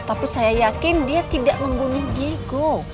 tapi saya yakin dia tidak membunuh giku